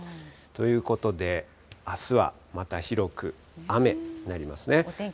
ということで、あすはまた広く雨になりますね。